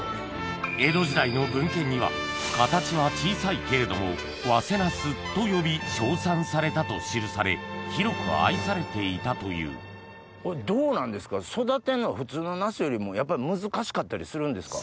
江戸時代の文献には「形は小さいけれどもワセナスと呼び称賛された」と記され広く愛されていたというどうなんですか育てるのは普通のナスよりもやっぱり難しかったりするんですか？